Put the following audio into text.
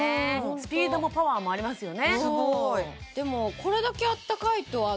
スピードもパワーもありますよね